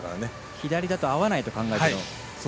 左だと合わないと考えたと。